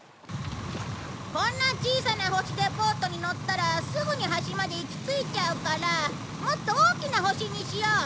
こんな小さな星でボートに乗ったらすぐに端まで行き着いちゃうからもっと大きな星にしよう！